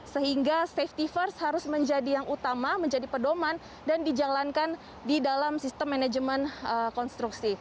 sehingga safety first harus menjadi yang utama menjadi pedoman dan dijalankan di dalam sistem manajemen konstruksi